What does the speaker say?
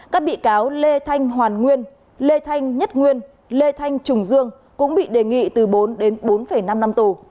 các bị cáo lê thanh hoàn nguyên lê thanh nhất nguyên lê thanh trùng dương cũng bị đề nghị từ bốn đến bốn năm năm tù